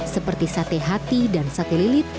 seperti sate hati dan sate lilit